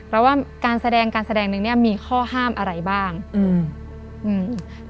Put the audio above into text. แล้วว่าการแสดงการแสดงหนึ่งเนี้ยมีข้อห้ามอะไรบ้างอืมอืม